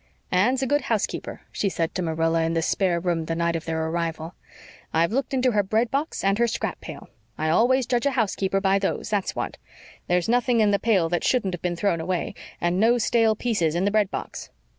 "Anne's a good housekeeper," she said to Marilla in the spare room the night of their arrival. "I've looked into her bread box and her scrap pail. I always judge a housekeeper by those, that's what. There's nothing in the pail that shouldn't have been thrown away, and no stale pieces in the bread box.